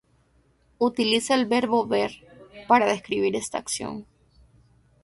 Utiliza el verbo "ver" para describir esta acción.